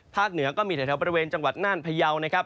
เหนือก็มีแถวบริเวณจังหวัดน่านพยาวนะครับ